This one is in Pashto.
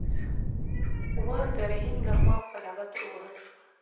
ور د رحیم لخوا په لغته ووهل شو.